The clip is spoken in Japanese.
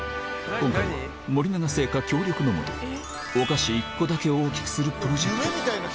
今回は森永製菓協力のもと、お菓子１個だけ大きくするプロジェクト。